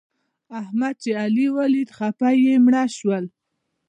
احمد چې علي وليد؛ خپه يې مړه شول.